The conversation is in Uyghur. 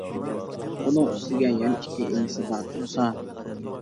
ئۇنىڭ ئۈستىگە يەنە ئىككى ئىنىسى بار تۇرسا!